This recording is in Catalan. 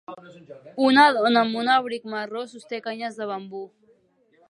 una dona amb un abric marró sosté canyes de bambú.